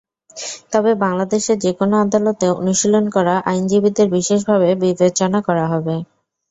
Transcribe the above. তবে বাংলাদেশের যেকোনো আদালতে অনুশীলন করা আইনজীবীদের বিশেষভাবে বিবেচনা করা হবে।